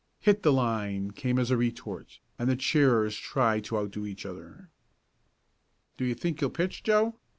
"Hit the Line!" came as a retort, and the cheerers tried to outdo each other. "Do you think you'll pitch, Joe?"